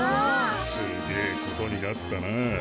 すげえことになったな。